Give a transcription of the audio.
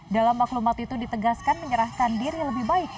dalam maklumat itu ditegaskan menyerahkan diri lebih baik